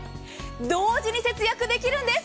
同時に節約できるんです！